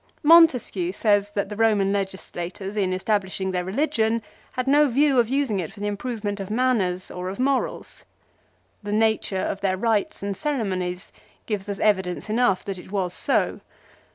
Montesquieu says that the Roman legislators in establishing their religion had no view of using it for the improvement of manners or of morals. 1 The nature of their rites and ceremonies give us evidence enough that it was so.